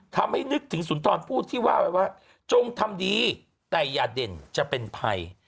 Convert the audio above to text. ทำให้นึกถึงสุนทรพูดที่ว่าจงทำดีแต่อย่าเด่นจะเป็นภัย